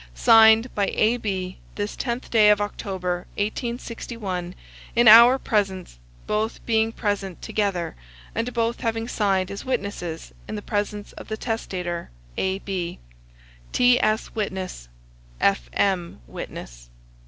Signed by A.B., this 10th day of October, 1861, in our presence, both being present together, and both having signed as witnesses, in the presence of the testator: A.B. T.S., Witness. F.M., Witness.